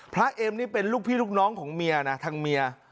เอ็มนี่เป็นลูกพี่ลูกน้องของเมียนะทางเมีย